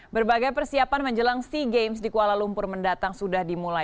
berbagai persiapan menjelang sea games di kuala lumpur mendatang sudah dimulai